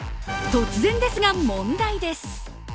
突然ですが、問題です。